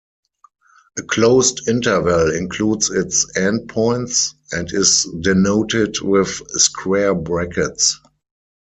A closed interval includes its endpoints, and is denoted with square brackets.